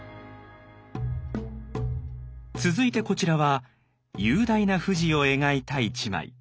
続いてこちらは雄大な富士を描いた一枚。